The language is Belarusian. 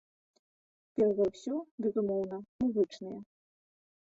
Перш за ўсё, безумоўна, музычныя.